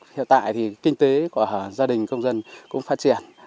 hiện tại thì kinh tế của gia đình công dân cũng phát triển